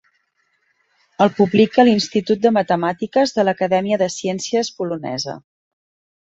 El publica l'Institut de Matemàtiques de l'Acadèmia de Ciències Polonesa.